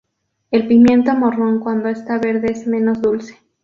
El pimiento morrón cuando está verde es menos dulce.